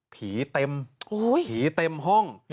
ผีเต็มผีเต็มห้อง